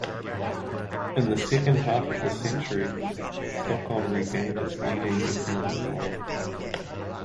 In the second half of the century, Stockholm regained its leading economic role.